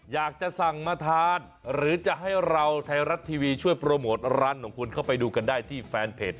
อยากจะสั่งมาทานหรือจะให้เราไทยรัฐทีวีช่วยโปรโมทร้านของคุณเข้าไปดูกันได้ที่แฟนเพจ